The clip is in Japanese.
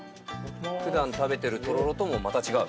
ふだん食べてるとろろともまた違う。